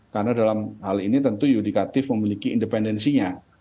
karena dalam hal ini tentu yudikatif memiliki independensinya